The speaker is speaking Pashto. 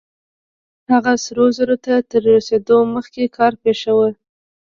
هغه سرو زرو ته تر رسېدو مخکې کار پرېښی و.